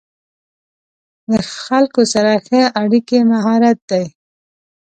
له خلکو سره ښه اړیکې مهارت دی.